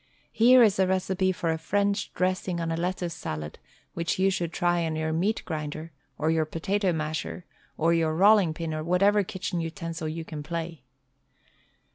Here is a recipe for a French dressing on a lettuce salad which you should try on your meat grinder, or your potato masher, or your rolling pin or whatever kitchen utensil you can play.